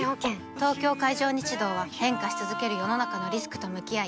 東京海上日動は変化し続ける世の中のリスクと向き合い